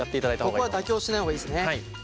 ここは妥協しない方がいいですね。